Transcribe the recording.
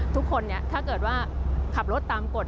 ทุกคนเนี่ยถ้าเกิดว่าขับรถตามกฎ